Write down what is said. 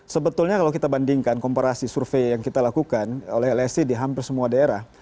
sebetulnya kalau kita bandingkan komparasi survei yang kita lakukan oleh lsi di hampir semua daerah